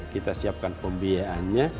kita siapkan pembiayaannya